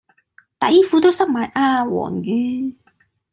底褲都濕埋啊黃雨